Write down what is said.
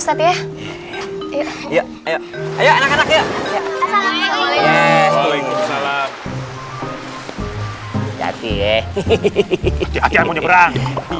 hati hati aku mau nyeberang